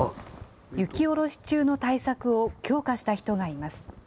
雪下ろし中の対策を強化した人がいます。